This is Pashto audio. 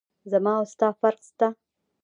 زما او ستا فرق سته.